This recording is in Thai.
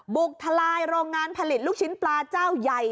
ทลายโรงงานผลิตลูกชิ้นปลาเจ้าใหญ่